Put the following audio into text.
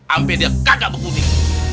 ampe dia kagak berpulih